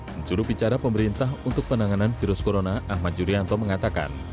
mencuru bicara pemerintah untuk penanganan virus corona ahmad yuryanto mengatakan